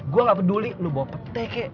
gue gak peduli lo bawa pete kek